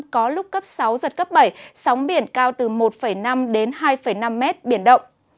có lúc cấp sáu giật cấp bảy sóng biển cao từ một năm đến hai năm mét biển động